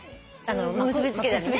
結びつけたりね。